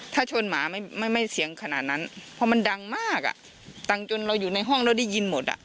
ถ้าชนหมาไม่เสียงขนาดนั้นเพราะมันดังมากอ่ะดังจนเราอยู่ในห้องเราได้ยินหมดอ่ะ